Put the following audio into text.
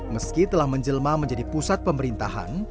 meski telah menjelma menjadi pusat pemerintahan